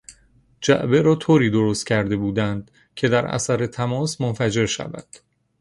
جعبه را طوری درستکرده بودند که در اثر تماس منفجر شود.